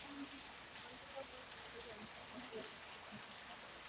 kuandika kuwa kiongozi anapaswa kuwa na maono